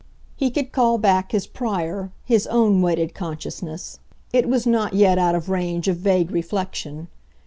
He could call back his prior, his own wedded consciousness it was not yet out of range of vague reflection.